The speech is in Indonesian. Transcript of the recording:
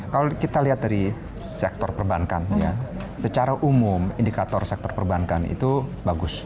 kalau kita lihat dari sektor perbankan secara umum indikator sektor perbankan itu bagus